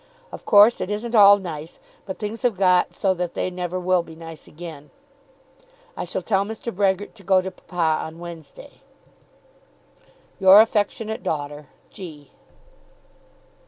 Of course it isn't all nice, but things have got so that they never will be nice again. I shall tell Mr. Brehgert to go to papa on Wednesday. Your affectionate daughter, G.